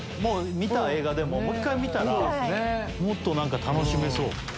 見た映画でももう一回見たらもっと何か楽しめそう。